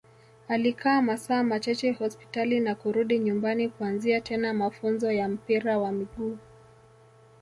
alikaa masaa machache hospitali na kurudi nyumbani kuanza tena mafunzo ya mpira wa miguu